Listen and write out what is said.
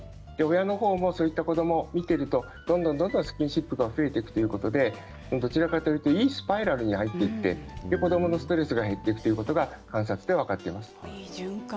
親のほうもそういった子どもを見ているとどんどんスキンシップが増えていくということでどちらかというとよいスパイラルに入って子どものストレスが減っていくということが分かっています。